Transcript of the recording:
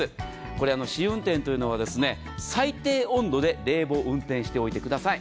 これ、試運転というのは最低温度で冷房を運転しておいてください。